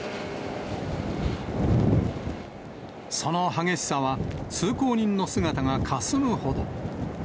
その激しさは、通行人の姿がかすむほど。